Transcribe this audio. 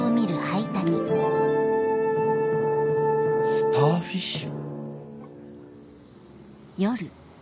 「スターフィッシュ」？